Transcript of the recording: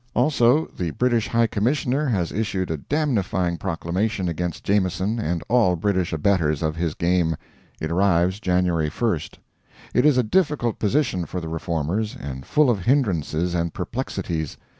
Also the British High Commissioner has issued a damnifying proclamation against Jameson and all British abettors of his game. It arrives January 1st. It is a difficult position for the Reformers, and full of hindrances and perplexities.